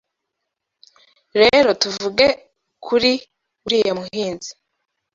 Rero tuvuga kuri uriya Muhinzi